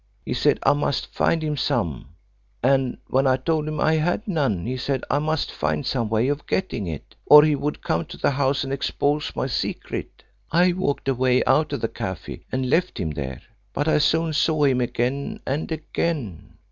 He said I must find him some, and when I told him I had none he said I must find some way of getting it, or he would come to the house and expose my secret. I walked away out of the café and left him there. But I soon saw him again, and again.